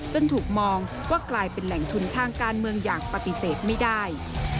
ถูกมองว่ากลายเป็นแหล่งทุนทางการเมืองอย่างปฏิเสธไม่ได้